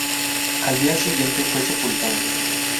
Al día siguiente fue sepultada.